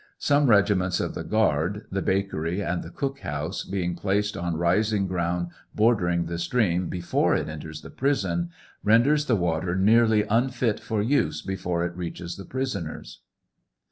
Some regiments of the guard, the bakery and the cook house being placed on rising ground bordering the stream before it enters the prison, renders the water nearly unfit for use before it reaches the prisoners.